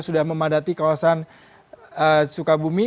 sudah memadati kawasan sukabumi